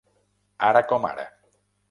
Ara com ara.